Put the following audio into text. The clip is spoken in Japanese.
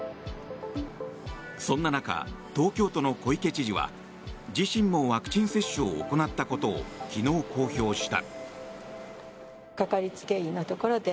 そんな中、東京都の小池知事は自身もワクチン接種を行ったことを昨日、公表した。